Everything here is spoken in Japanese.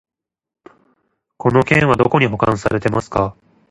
この件はどこに保管されてますか？